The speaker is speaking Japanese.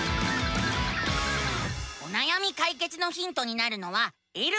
おなやみ解決のヒントになるのは「えるえる」。